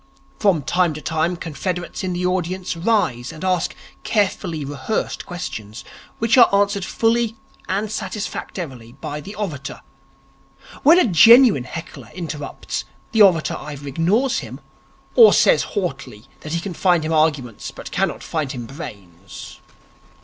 From time to time confederates in the audience rise and ask carefully rehearsed questions, and are answered fully and satisfactorily by the orator. When a genuine heckler interrupts, the orator either ignores him, or says haughtily that he can find him arguments but cannot find him brains.